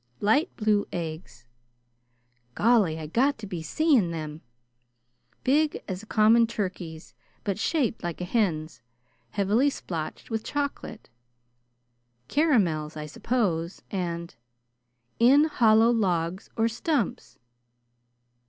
"'Light blue eggs' " "Golly! I got to be seeing them!" "' big as a common turkey's, but shaped like a hen's, heavily splotched with chocolate '" "Caramels, I suppose. And ""' in hollow logs or stumps.'"